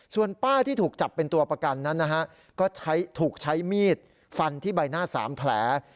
ส่วนป้าที่ถูกจับเป็นตัวประกันนั้นนะฮะก็ถูกใช้มีดฟันที่ใบหน้า๓แผล